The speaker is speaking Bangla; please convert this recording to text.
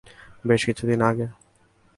বেশ কিছুদিন আগে।